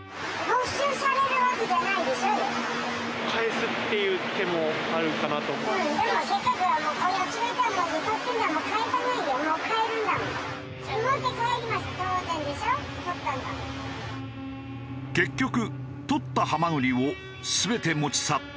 結局採ったハマグリを全て持ち去った。